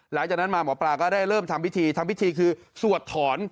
หลังจากนั้นมาหมอปลาก็ได้เริ่มทำพิธีทำพิธีคือสวดถอน